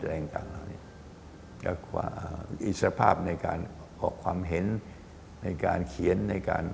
และอิสระภาพในความเห็นในวิการเขียนในการ